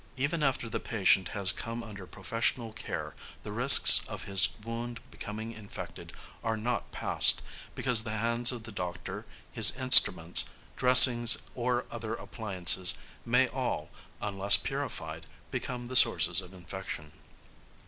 Even after the patient has come under professional care the risks of his wound becoming infected are not past, because the hands of the doctor, his instruments, dressings, or other appliances may all, unless purified, become the sources of infection.